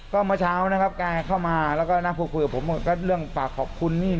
ก็เมื่อเช้านะครับแกเข้ามาแล้วก็นั่งพูดคุยกับผมก็เรื่องฝากขอบคุณนี่